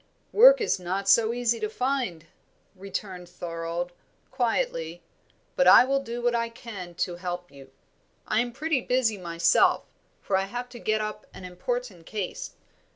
"Work is not so easy to find," returned Thorold, quietly, "but I will do what I can to help you. I am pretty busy myself, for I have to get up an important case.